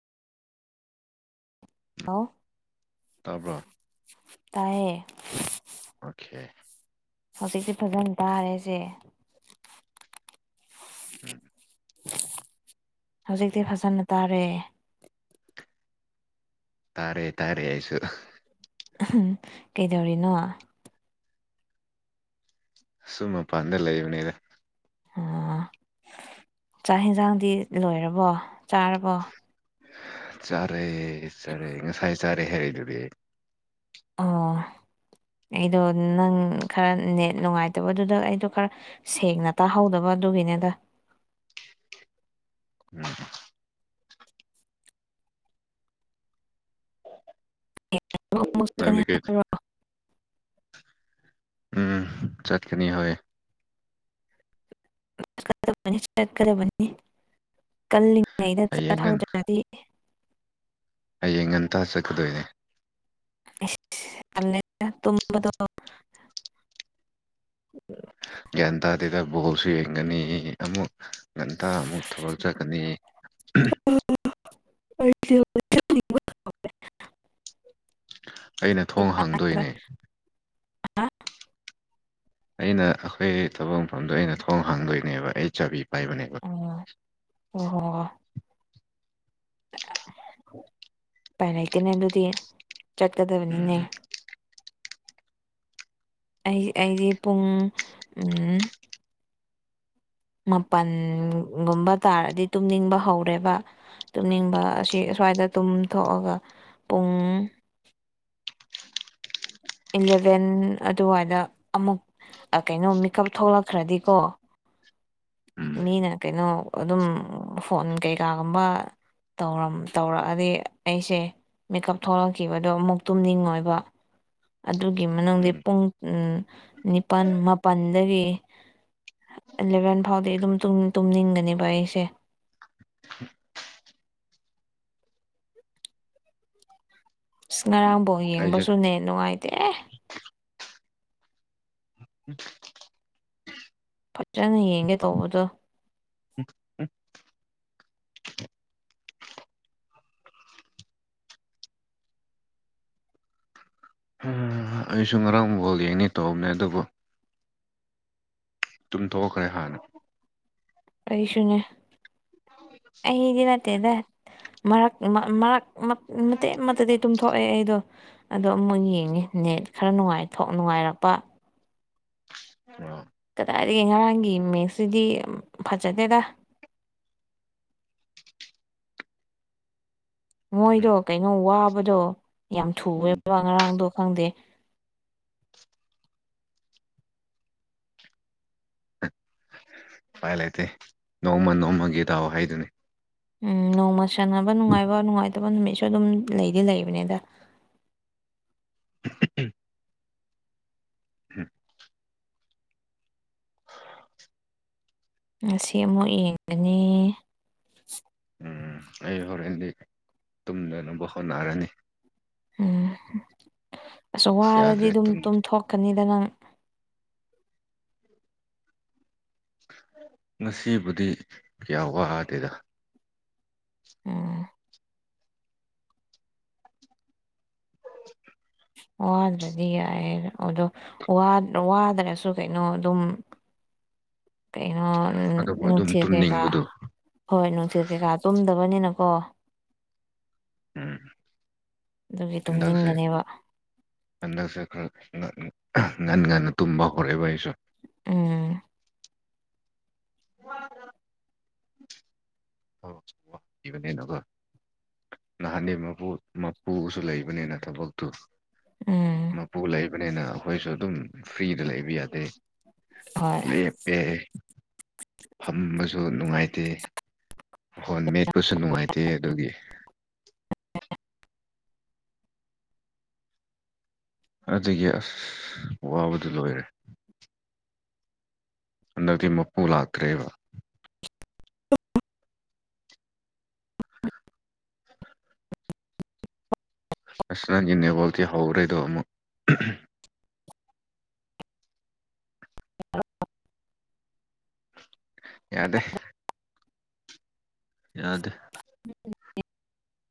[unintelligible] ꯇꯥꯕ꯭ꯔꯣ ꯇꯥꯏꯌꯦ ꯑꯣꯀꯦ ꯍꯧꯖꯤꯛꯇꯛꯇꯤ ꯐꯖꯅ ꯇꯥꯔꯦꯁꯦ ꯎꯝ ꯍꯧꯖꯤꯛꯇꯤ ꯐꯖꯅ ꯇꯥꯔꯦ ꯇꯥꯔꯦ ꯇꯥꯔꯦ ꯑꯩꯁꯨ ꯎꯝ ꯀꯩꯗꯧꯔꯤꯅꯣ ꯑꯁꯨꯨꯝ ꯃꯄꯥꯟꯗ ꯂꯩꯕꯅꯦꯗ ꯑ ꯆꯥꯛ ꯌꯦꯟꯁꯥꯡꯗꯤ ꯂꯣꯏꯔꯕꯣ ꯆꯥꯔꯕꯣ ꯆꯥꯔꯦ ꯆꯥꯔꯦ ꯉꯁꯥꯏ ꯆꯥꯔꯦ ꯍꯥꯏꯔꯛꯗꯨꯗꯤ ꯑꯣ ꯑꯩꯗꯣ ꯅꯪ ꯈꯔ ꯅ ꯅꯨꯡꯉꯥꯏꯇꯕꯗꯨꯗ ꯑꯩꯗꯣ ꯈꯔ ꯁꯦꯡꯅ ꯇꯥꯍꯧꯗꯕ ꯑꯗꯨꯒꯤꯅꯤꯗ ꯎꯝ ꯅꯪꯗꯤ ꯁ ꯀꯩ ꯎꯝ ꯆꯠꯀꯅꯤ ꯍꯣꯏ ꯆꯠꯀꯗꯕꯅꯤ ꯀꯜꯂꯤꯉꯩꯗ ꯍꯌꯦꯡ ꯉꯟ ꯆꯍꯧꯗ꯭ꯔꯗꯤ ꯍꯌꯦꯡ ꯉꯟꯇ ꯆꯠꯀꯗꯣꯏꯅꯦ ꯇ ꯒ꯭ꯌꯥꯟ ꯇꯥꯗꯦꯗ ꯕꯣꯜꯁꯨ ꯌꯦꯡꯒꯅꯤ ꯑꯃꯨꯛ ꯉꯝꯇ ꯑꯃꯨꯛ ꯊꯧꯒꯠꯆꯀꯅꯤ [unintelligible] ꯑꯩꯅ ꯊꯣꯡ ꯍꯥꯡꯗꯣꯏꯅꯦ ꯑ ꯑꯩꯅ ꯑꯩꯈꯣꯏ ꯊꯕꯛ ꯃꯐꯝꯗꯣ ꯑꯩꯅ ꯊꯣꯡ ꯍꯥꯡꯗꯣꯏꯅꯦꯕ ꯑꯩ ꯆꯥꯕꯤ ꯄꯥꯏꯕꯅꯦꯕ ꯑꯣ ꯑꯣ ꯍꯣ ꯥꯏ ꯂꯩ ꯂꯩꯇꯦꯅꯦ ꯑꯗꯨꯗꯤ ꯆꯠꯀꯗꯕꯅꯤꯅꯦ ꯎꯝ ꯑꯩ ꯑꯩꯗꯤ ꯄꯨꯡ ꯃꯥꯄꯜꯒꯨꯝꯕ ꯇꯥꯔꯗꯤ ꯇꯨꯝꯅꯤꯡꯕ ꯍꯧꯔꯦꯕ ꯇꯨꯝꯅꯤꯡꯕ ꯑꯁꯤ ꯑꯁ꯭ꯋꯥꯏꯗ ꯇꯨꯝꯊꯣꯛꯑꯒ ꯄꯨꯡ ꯏꯂꯚꯦꯟ ꯑꯗꯨꯋꯥꯏꯗ ꯑꯃꯨꯛ ꯀꯩꯅꯣ ꯃꯤꯀꯞ ꯊꯣꯛꯂꯛꯈ꯭ꯔꯗꯤꯀꯣ ꯎꯝ ꯃꯤꯅ ꯀꯩꯅꯣ ꯑꯗꯨꯝ ꯐꯣꯟ ꯀꯩꯀꯥꯒꯨꯝꯕ ꯇꯧꯔꯛꯑꯗꯤ ꯑꯩꯁꯦ ꯃꯦꯀꯞ ꯊꯣꯛꯂꯛꯈꯤꯕꯗꯣ ꯑꯃꯨꯛ ꯇꯨꯝꯅꯤꯡꯉꯣꯏꯕ ꯑꯗꯨꯒꯤ ꯃꯅꯨꯡꯗ ꯎꯝ ꯄꯨꯡ ꯅꯤꯄꯥꯜ ꯃꯥꯄꯜꯗꯒꯤ ꯑꯦꯂꯚꯦꯟ ꯐꯥꯎꯗꯤ ꯑꯗꯨꯝ ꯇꯨꯝꯅꯤꯡꯒꯅꯦꯕ ꯑꯩꯁꯦ [unintelligible] ꯑꯉꯔꯥꯡ ꯕꯣꯜ ꯑꯩꯁꯨ ꯌꯦꯡꯕꯁꯨ ꯅꯦꯠ ꯅꯨꯡꯉꯥꯏꯇꯦ [inaudible] ꯐꯖꯅ ꯌꯦꯡꯒꯦ ꯇꯧꯕꯗꯣ ꯑꯩꯁꯨ ꯉꯔꯥꯡ ꯕꯣꯜ ꯌꯦꯡꯉꯦ ꯇꯧꯕꯅꯦ ꯑꯗꯨꯕꯨ ꯇꯨꯝꯊꯣꯛꯈꯔꯦ ꯍꯥꯟꯅ ꯑꯩꯁꯨꯅꯦ ꯑꯩꯗꯤ ꯅꯠꯇꯦꯗ ꯃꯔꯛ ꯃꯔꯛ ꯃꯇꯦꯛ ꯑꯃꯗꯗꯤ ꯇꯨꯝꯊꯣꯛꯑꯦ ꯑꯩꯗꯣ ꯑꯗꯣ ꯑꯃꯨꯛ ꯌꯦꯡꯅꯤ ꯅꯦꯠ ꯈꯔ ꯅꯨꯡꯉꯥꯏ ꯅꯨꯡꯉꯥꯏꯔꯛꯄ ꯎꯝ ꯀꯗꯥꯏꯗꯒꯤ ꯉꯔꯥꯡꯒꯤ ꯃꯦꯛꯁꯁꯤꯗꯤ ꯐꯖꯗꯦꯗ ꯃꯣꯏꯗꯣ ꯎꯝ ꯀꯩꯅꯣ ꯋꯥꯕꯗꯣ ꯌꯥꯝ ꯎꯝ ꯊꯨꯑꯦꯕ ꯉꯔꯥꯡꯗꯣ ꯈꯪꯗꯦ ꯄꯥꯏ ꯂꯩꯇꯦ ꯅꯣꯡꯃ ꯅꯣꯡꯃꯒꯤ ꯇꯥꯑꯣ ꯍꯥꯏꯗꯨꯅꯤ ꯎꯝ ꯅꯣꯡꯃ ꯁꯥꯟꯕ ꯅꯨꯡꯉꯥꯏꯕ ꯅꯨꯡꯉꯥꯏꯇꯕ ꯅꯨꯃꯤꯠꯁꯨ ꯑꯗꯨꯝ ꯂꯩꯗꯤ ꯂꯩꯕꯅꯤꯗ [unintelligible] [unintelligible] [unintelligible] ꯉꯁꯤ ꯑꯃꯨꯛ ꯌꯦꯡꯒꯅꯤ ꯎ ꯑꯩ ꯍꯣꯔꯦꯟꯗꯤ ꯇꯨꯝꯗꯅꯕ ꯍꯣꯠꯅꯔꯅꯤ ꯎꯝ ꯑꯁ ꯋꯥꯔꯗꯤ ꯌꯥꯗ꯭ꯔꯦ ꯑꯗꯨꯝ ꯇꯨꯝ ꯇꯨꯝꯊꯣꯛꯀꯅꯤꯗ ꯉꯁꯤꯕꯨꯗꯤ ꯀꯌꯥ ꯋꯥꯗꯦꯗ ꯎ [unintelligible] ꯋꯥꯗ꯭ꯔꯗꯤ ꯌꯥꯏ ꯑꯗꯣ ꯋꯥꯗ꯭ꯔꯁꯨ ꯀꯩꯅꯣ ꯑꯗꯨꯝ ꯀꯩꯅꯣ ꯑꯗꯨꯕꯨ ꯑꯗꯨꯝ ꯅꯨꯡꯊꯤꯜ ꯀꯩꯀꯥ ꯇꯨꯝꯅꯤꯡꯕꯗꯨ ꯍꯣꯏ ꯅꯨꯡꯊꯤꯜ ꯀꯩꯀꯥ ꯇꯨꯝꯗꯕꯅꯤꯅꯀꯣ ꯎꯝ ꯑꯗꯨꯒꯤ ꯍꯟꯗꯛꯁꯦ ꯇꯨꯝꯅꯤꯡꯒꯅꯦꯕ ꯍꯟꯗꯛꯁꯦ ꯈꯔ ꯉꯟ ꯉꯟꯅ ꯇꯨꯝꯕ ꯍꯧꯔꯦꯕ ꯑꯩꯁꯨ ꯑꯣ [inaudible] [inaudible] ꯅꯍꯥꯟꯗꯤ ꯃꯄꯨ ꯃꯄꯨꯁꯨ ꯂꯩꯕꯅꯤꯅ ꯊꯕꯛꯇꯨ ꯎꯝ ꯃꯄꯨ ꯂꯩꯕꯅꯤꯅ ꯑꯩꯈꯣꯏꯁꯨ ꯑꯗꯨꯝ ꯐ꯭ꯔꯤꯗ ꯂꯩꯕ ꯌꯥꯗꯦ ꯍꯣꯏ ꯂꯦꯞꯄꯦ ꯐꯝꯕꯁꯨ ꯅꯨꯡꯉꯥꯏꯇꯦ ꯐꯣꯟ ꯃꯦꯠꯄꯁꯨ ꯅꯨꯡꯉꯥꯏꯇꯦ ꯑꯗꯨꯒꯤ ꯑꯗꯨꯒꯤ ꯑꯁ ꯋꯥꯕꯗꯨ ꯂꯣꯏꯔꯦ ꯍꯟꯗꯛꯇꯤ ꯃꯄꯨ ꯂꯥꯛꯇ꯭ꯔꯦꯕ ꯑꯁ ꯅꯪꯒꯤ ꯅꯦꯠꯋꯥꯛ ꯍꯧꯔꯦꯗꯣ ꯑꯃꯨꯛ [inaudible] ꯌꯥꯗꯦ ꯌꯥꯗꯦ